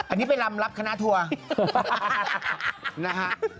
อันนี้เป็นรำรับคณะทัวร์